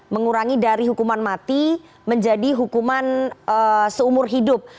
mengurangi dari hukuman mati menjadi hukuman seumur hidup